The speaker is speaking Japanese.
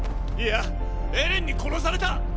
いやエレンに殺された！！